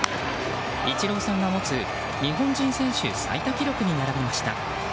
イチローさんが持つ日本人選手最多記録に並びました。